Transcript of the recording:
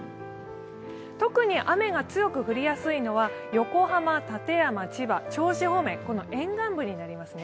特に雨が強く降りやすいのは横浜、館山、千葉、銚子方面、この沿岸部になりますね